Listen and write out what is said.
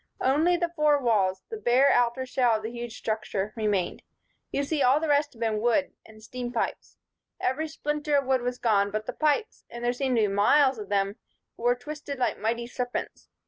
Only the four walls, the bare outer shell of the huge structure, remained. You see, all the rest of it had been wood and steam pipes. Every splinter of wood was gone; but the pipes, and there seemed to be miles of them, were twisted like mighty serpents.